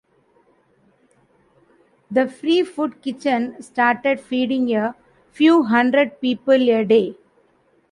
The Free Food Kitchen started feeding a few hundred people a day.